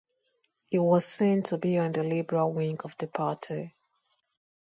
He was seen to be on the liberal wing of the party.